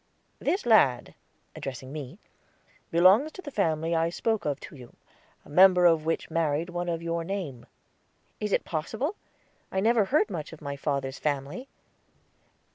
"This lad," addressing me, "belongs to the family I spoke of to you, a member of which married one of your name." "Is it possible? I never heard much of my father's family."